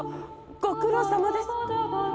ご苦労さまです！